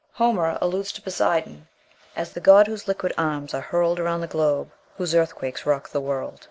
Homer alludes to Poseidon as "The god whose liquid arms are hurled Around the globe, whose earthquakes rock the world."